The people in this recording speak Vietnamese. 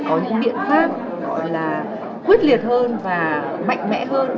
cũng cần phải có những biện pháp gọi là quyết liệt hơn và mạnh mẽ hơn